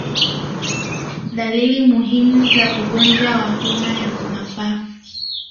Dalili muhimu za ugonjwa wa homa ya mapafu